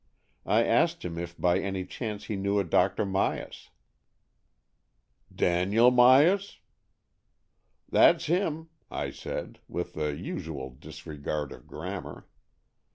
I asked him if by any chance he knew a Dr. Myas. ''Daniel Myas.?" " That's him," I said, with the usual dis regard of grammar.